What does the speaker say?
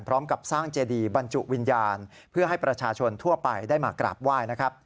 พร้อมกับสร้างเจดีบรรจุวิญญาณเพื่อให้ประชาชนทั่วไปได้มากราบไหว้นะครับ